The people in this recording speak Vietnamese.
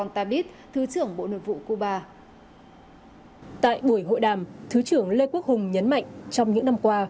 tại buổi hội đàm thứ trưởng lê quốc hùng nhấn mạnh trong những năm qua